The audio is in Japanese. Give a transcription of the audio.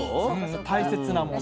大切なもの？